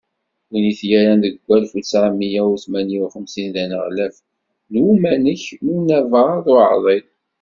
Win i t-yerran deg walef u ttɛemya u tmenya u xemsin d aneɣlaf n uwanek n Unabaḍ Uɛḍil.